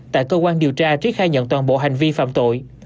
tại cơ quan điều tra trí khai nhận toàn bộ hành vi phạm tội